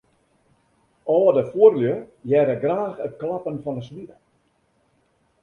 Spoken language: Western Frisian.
Alde fuorlju hearre graach it klappen fan 'e swipe.